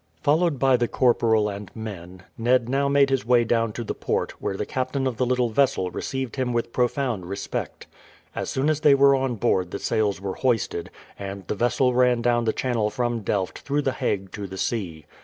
Followed by the corporal and men, Ned now made his way down to the port, where the captain of the little vessel received him with profound respect. As soon as they were on board the sails were hoisted, and the vessel ran down the channel from Delft through the Hague to the sea.